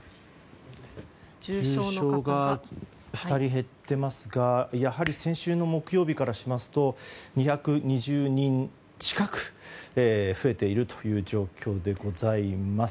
重症が２人減っていますがやはり先週の木曜日からしますと２２０人近く増えているという状況でございます。